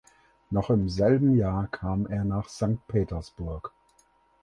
Noch im selben Jahr kam er nach Sankt Petersburg.